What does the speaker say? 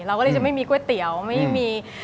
เราก็เลยจะไม่มีก๋วยเตี๋ยวไม่มี